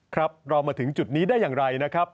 ครับเรามาถึงจุดนี้ได้อย่างไรนะครับ